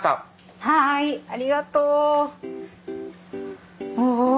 はいありがとう。お。